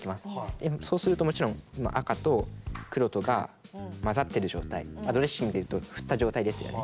でそうするともちろん今赤と黒とが混ざってる状態ドレッシングで言うと振った状態ですよね。